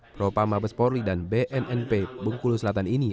prof mabes porli dan bnnp bengkulu selatan ini